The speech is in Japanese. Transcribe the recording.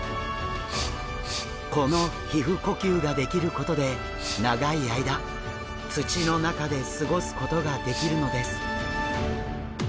この皮膚呼吸ができることで長い間土の中で過ごすことができるのです。